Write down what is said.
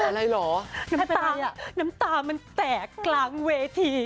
อ๋ออะไรเหรอน้ำตามันแตกกลางเวที